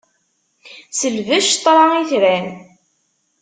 Selbec ṭṭṛa itran.